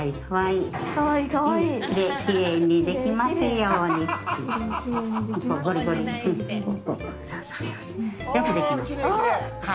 よくできました。